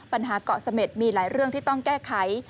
ปัญหาเกาะเสม็ดมีหลายเรื่องที่ต้องแก้ไข